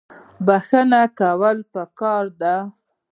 بخښنه کول پکار دي